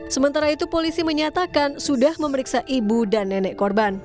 sementara itu polisi menyatakan sudah memeriksa ibu dan nenek korban